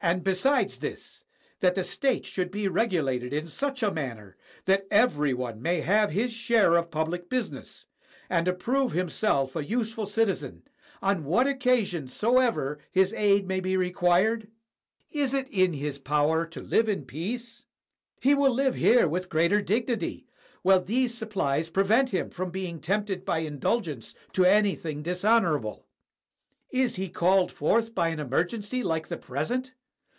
And, besides this, that the state should be regulated in such a manner that every one may have his share of public business, and approve himself a useful citizen, on what occasion soever his aid may be required? Is it in his power to live in peace? He will live here with greater dignity, while these supplies prevent him from being tempted by indulgence to anything dishonorable. Is he called forth by an emergency like the present?